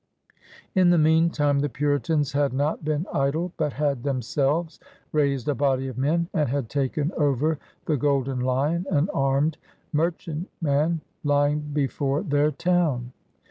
In the meantime the Puritans had not been idle, but had themselves raised a body of men and had taken over the Golden Lyon, an armed merchantman lying before their town.